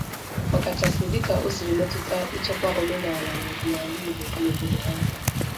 ọkachasị dịka o siri metụta ichekwa omenala na ọdịnala Igbo na obodo ha